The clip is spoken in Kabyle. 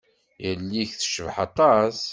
Yelli-k tecbeḥ aṭas.